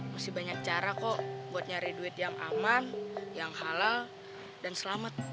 masih banyak cara kok buat nyari duit yang aman yang halal dan selamat